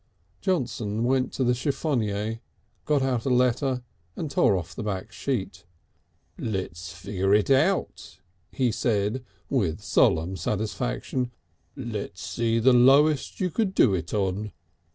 Johnson went to the chiffonier, got out a letter and tore off the back sheet. "Let's figure it out," he said with solemn satisfaction. "Let's see the lowest you could do it on."